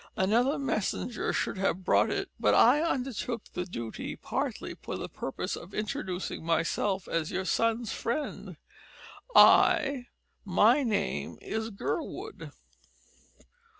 Another messenger should have brought it, but I undertook the duty partly for the purpose of introducing myself as your son's friend. I my name is Gurwood."